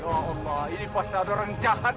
ya allah ini pasti ada orang jahat